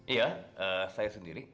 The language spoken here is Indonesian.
iya saya sendiri